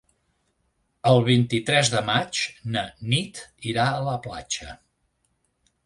El vint-i-tres de maig na Nit irà a la platja.